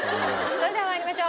それでは参りましょう。